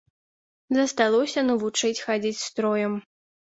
Засталося навучыць хадзіць строем.